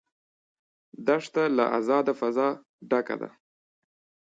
دښته له آزاده فضا ډکه ده.